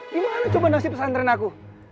gimana coba nasib pesantren aku